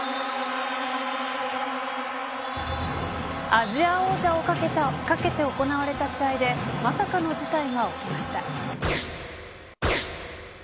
アジア王者を懸けて行われた試合でまさかの事態が起きました。